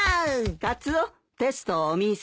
カツオテストをお見せ。